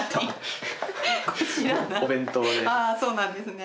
あそうなんですね。